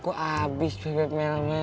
aku abis bebek melmel